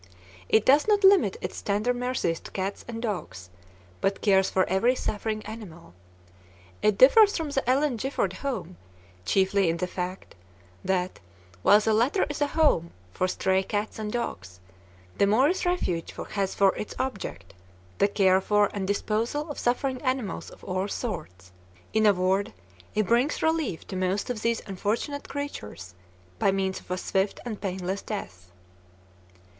It does not limit its tender mercies to cats and dogs, but cares for every suffering animal. It differs from the Ellen Gifford Home chiefly in the fact that, while the latter is a home for stray cats and dogs, the Morris Refuge has for its object the care for and disposal of suffering animals of all sorts. In a word, it brings relief to most of these unfortunate creatures by means of a swift and painless death.